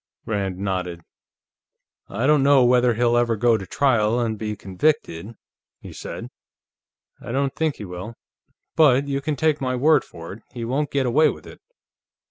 Rand nodded. "I don't know whether he'll ever go to trial and be convicted," he said. "I don't think he will. But you can take my word for it; he won't get away with it.